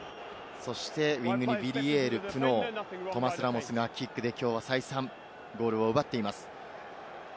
そしてウイングにヴィリエール、プノー、トマ・ラモスがきょうはキックで再三ゴールを奪っています。